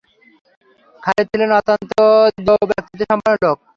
খালিদ ছিলেন অত্যন্ত দৃঢ় ব্যক্তিত্ব সম্পন্ন লোক।